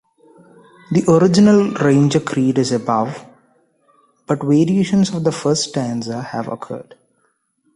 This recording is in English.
The original Ranger Creed is above, but variations of the first stanza have occurred.